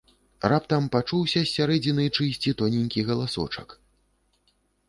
Раптам пачуўся з сярэдзіны чыйсьці тоненькі галасочак: